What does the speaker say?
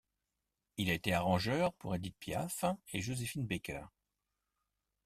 Il a été arrangeur pour Édith Piaf et Joséphine Baker.